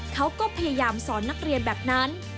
เขาก็พยายามสอนนักเรียนแบบนั้น